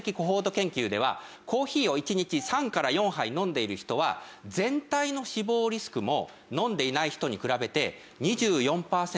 研究ではコーヒーを１日３杯から４杯飲んでいる人は全体の死亡リスクも飲んでいない人に比べて２４パーセント低かったんです。